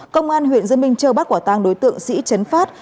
công an huyện dương minh châu bắt quả tang đối tượng sĩ chấn phát